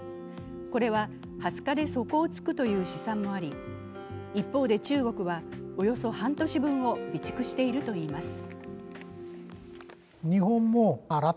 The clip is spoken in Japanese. これは２０日で底をつくという試算もあり、一方で、中国はおよそ半年分を備蓄してるといいます。